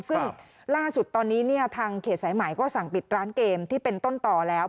ซึ่งล่าสุดตอนนี้เนี่ยทางเขตสายใหม่ก็สั่งปิดร้านเกมที่เป็นต้นต่อแล้ว